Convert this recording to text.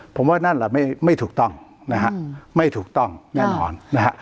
ผมว่านั่นแหละไม่ถูกต้องนะฮะไม่ถูกต้องแน่นอนนะฮะ